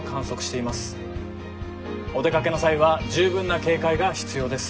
お出かけの際は十分な警戒が必要です。